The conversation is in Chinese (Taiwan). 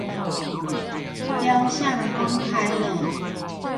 雕像公開了